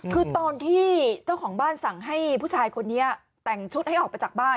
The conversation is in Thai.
คือตอนที่เจ้าของบ้านสั่งให้ผู้ชายคนนี้แต่งชุดให้ออกไปจากบ้าน